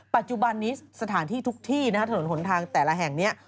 ปัจจุบันนี้สถานที่ทุกที่นะฮะถนนหนทางแต่ละแห่งนี้